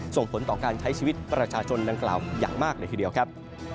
ส่งผลต่อการใช้ชีวิตประชาชนดังกล่าวอย่างมากเลยทีเดียวครับ